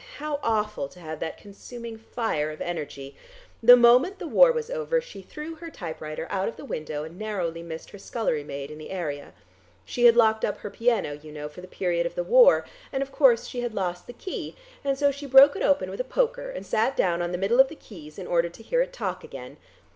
"How awful to have that consuming fire of energy. The moment the war was over she threw her typewriter out of the window and narrowly missed her scullery maid in the area. She had locked up her piano, you know, for the period of the war, and of course she had lost the key, and so she broke it open with a poker, and sat down on the middle of the keys in order to hear it talk again.